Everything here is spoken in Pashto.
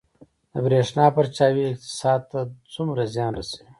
د بریښنا پرچاوي اقتصاد ته څومره زیان رسوي؟